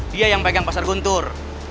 dia yang pegang pasar guntur